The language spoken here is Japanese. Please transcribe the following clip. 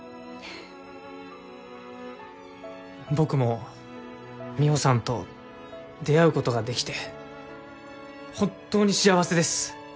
僕も美帆さんと出会うことができて本当に幸せです。